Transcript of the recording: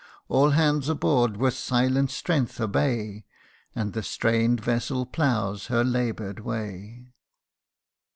All hands aboard with silent strength obey, And the strain'd vessel ploughs her labour'd way.